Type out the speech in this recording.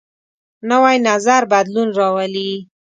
نوی نظر بدلون راولي